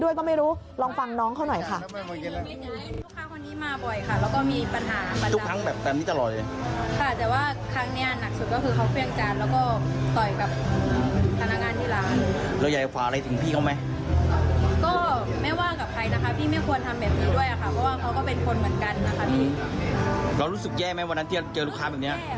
เรารู้สึกแย่แล้วก็น้องไม่เคยเจอลูกค้าแบบนี้ค่ะ